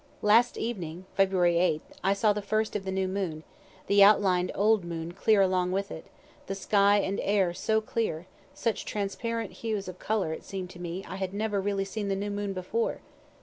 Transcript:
Last evening (Feb. 8,) I saw the first of the new moon, the outlined old moon clear along with it; the sky and air so clear, such transparent hues of color, it seem'd to me I had never really seen the new moon before.